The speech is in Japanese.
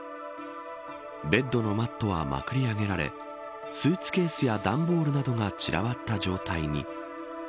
ベッドのマットはまくり上げられスーツケースや段ボールなどが散らばった状態に。